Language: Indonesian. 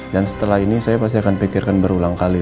dan setelah ini saya pasti akan pikirkan berulang kali